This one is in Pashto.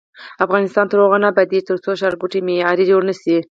افغانستان تر هغو نه ابادیږي، ترڅو ښارګوټي معیاري جوړ نشي.